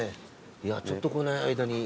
ちょっと来ない間に。